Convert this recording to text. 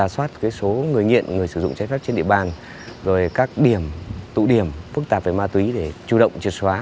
số người nghiện người sử dụng trái pháp trên địa bàn rồi các tụ điểm phức tạp về ma túy để chủ động triệt xóa